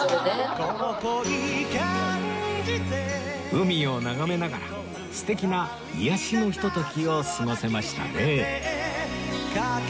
海を眺めながら素敵な癒やしのひとときを過ごせましたね